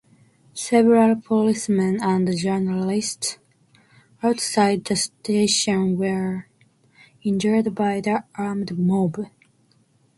Several policemen and journalists outside the station were injured by the armed mob.